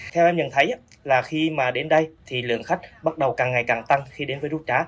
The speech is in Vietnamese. theo em nhận thấy là khi mà đến đây thì lượng khách bắt đầu càng ngày càng tăng khi đến với rút trá